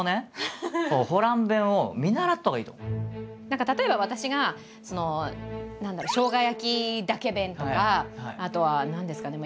何か例えば私がそのショウガ焼きだけ弁とかあとは何ですかね